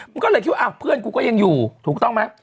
มันก็เลยคิดว่าเพื่อนกูก็ยังอยู่ถูกต้องไหม